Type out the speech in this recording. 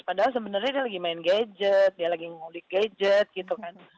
padahal sebenarnya dia lagi main gadget dia lagi ngulik gadget gitu kan